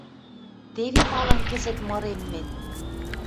Теве малын кӹзӹт мырем мӹнь.